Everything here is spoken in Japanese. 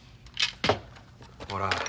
ほら。